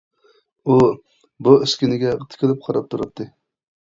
ئۇ بۇ ئۈسكۈنىگە تىكىلىپ قاراپ تۇراتتى.